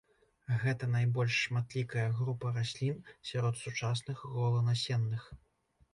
Гэта найбольш шматлікая група раслін сярод сучасных голанасенных.